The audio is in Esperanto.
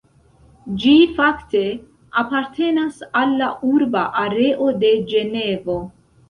Ĝi fakte apartenas al la urba areo de Ĝenevo.